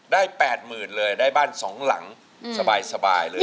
ใบเฟ้ยได้๘หมื่นเลยได้บ้านสองหลังสบายเลย